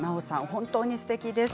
本当にすてきです。